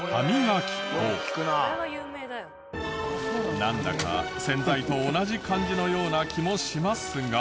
なんだか洗剤と同じ感じのような気もしますが。